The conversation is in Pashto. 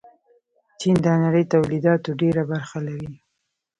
چین د نړۍ تولیداتو ډېره برخه لري.